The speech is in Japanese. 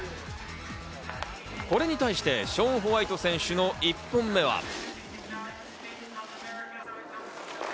これに対してショーン・ホワイト選手の１本目は。